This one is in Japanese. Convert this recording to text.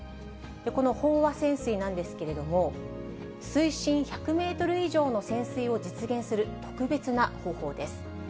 この飽和潜水なんですけれども、水深１００メートル以上の潜水を実現する特別な方法です。